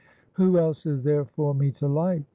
'Who else is there for me to like ?'